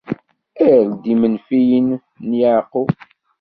Err-d imenfiyen n Yeɛqub!